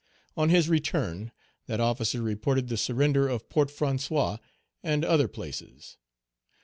On his return, that officer reported the surrender of Port François and other places.